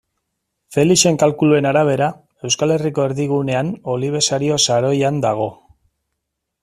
Felixen kalkuluen arabera, Euskal Herriko erdigunean Olibesario saroian dago.